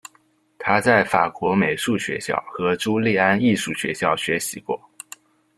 他在法国美术学校和朱利安艺术学校学习过。